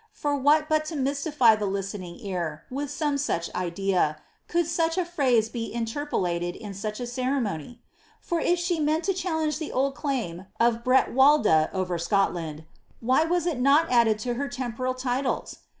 For what but la nivKiifv ilie li^iiening ear, with some such idea, could auch a phrase be iniL rptilBii'J in tiuch a ceremony > Knr if she meant to challenge the old claim uf BrelHslda over Scotland, why was it not added to her Icmponl tillft* ?